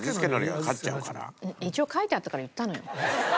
一応書いてあったから言ったのよ。